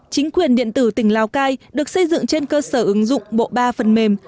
chính quyền điện tử tỉnh lào cai được xây dựng trên cơ sở ứng dụng bộ ba phần mềm